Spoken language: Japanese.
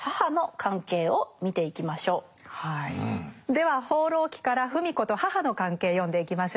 では「放浪記」から芙美子と母の関係読んでいきましょう。